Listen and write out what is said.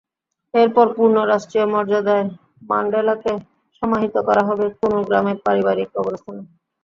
এরপর পূর্ণ রাষ্ট্রীয় মর্যাদায় ম্যান্ডেলাকে সমাহিত করা হবে কুনু গ্রামের পারিবারিক কবরস্থানে।